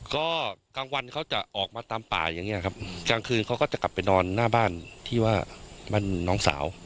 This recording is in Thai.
ก็กลางวันเขาจะออกมาตามป่าอย่างเงี้ยครับกลางคืนเขาก็จะกลับไปนอนหน้าบ้านที่ว่าบ้านน้องสาว